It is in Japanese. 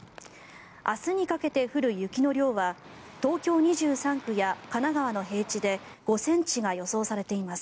明日にかけて降る雪の量は東京２３区や神奈川の平地で５ｃｍが予想されています。